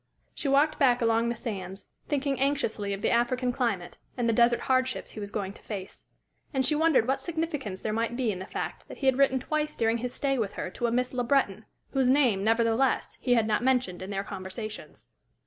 She walked back along the sands, thinking anxiously of the African climate and the desert hard ships he was going to face. And she wondered what significance there might be in the fact that he had written twice during his stay with her to a Miss Le Breton, whose name, nevertheless, he had not mentioned in their conversations.